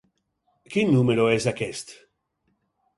Quin número és aquest?